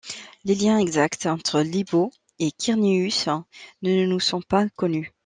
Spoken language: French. Les liens exacts entre Libo et Quirinius ne nous sont pas connus.